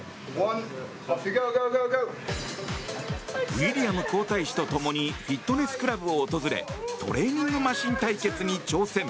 ウィリアム皇太子と共にフィットネスクラブを訪れトレーニングマシン対決に挑戦。